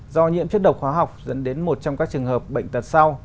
do nhiễm chất độc hóa học dẫn đến một trong các trường hợp bệnh tật sau